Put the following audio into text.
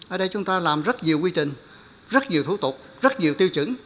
ở đây chúng ta làm rất nhiều quy trình rất nhiều thủ tục rất nhiều tiêu chứng